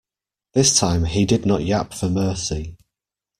This time he did not yap for mercy.